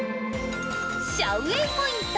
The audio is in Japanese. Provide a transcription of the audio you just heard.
シャウ・ウェイポイント。